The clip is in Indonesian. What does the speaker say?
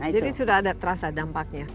jadi sudah ada terasa dampaknya